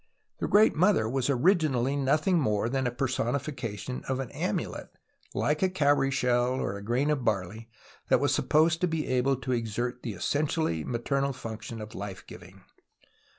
The Great INIotlier was originally nothing more than the personification of an amulet, like a cowrie shell or a grain of barley, that was supposed to be able to exert tlie essentially maternal function of life giving.